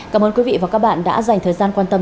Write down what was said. cảm ơn quý vị và các bạn đã dành thời gian quan tâm